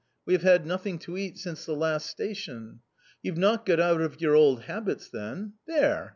we have had nothing to eat since the last station." " You've not got out of your old habits then ? There